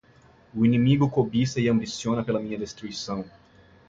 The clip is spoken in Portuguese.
O inimigo cobiça e ambiciona pela minha destruição